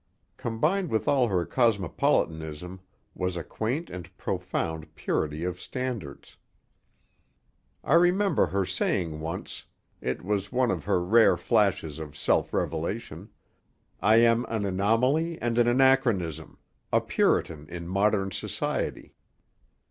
Combined with all her cosmopolitanism was a quaint and profound purity of standards. I remember her saying once—it was one of her rare flashes of self revelation—"I am an anomaly and an anachronism, a Puritan in modern society."